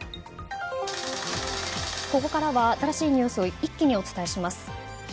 ここからは新しいニュースを一気にお伝えします。